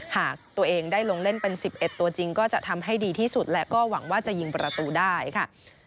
หากตัวเองได้ลงเล่นเป็น๑๑ตัวจริงก็จะทำให้ดีที่สุดและก็หวังว่าจะยิงประตูได้ค่ะ